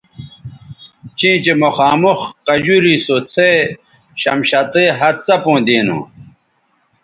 چیں چہء مخامخ قجوری سو څھے شمشتئ ھَت څپوں دینو